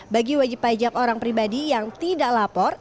bagi wajib pajak orang pribadi yang tidak lapor